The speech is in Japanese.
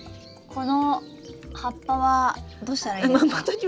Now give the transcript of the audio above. この葉っぱはどうしたらいいですか？